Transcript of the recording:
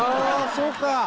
そうか！